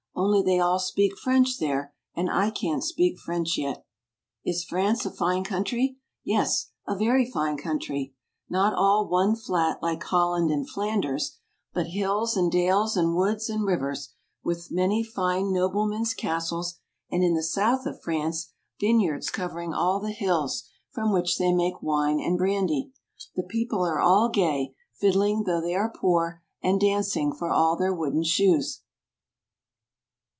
Only they all speak French there, and I can't speak French yet. Is France a fine country?—Yes, a very fine country. Not all one flat, like Holland and Flanders; but hills, and dales, and woods, and rivers; with many fine noblemen's castles: and in the south of France, vineyards covering all the 84 FRANCE. hills; from which they make wine and brandy. The people are all gay, fiddling though they are poor, and dancing, for all their wooden shoes.